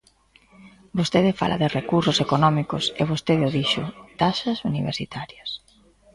Vostede fala de recursos económicos, e vostede o dixo: taxas universitarias.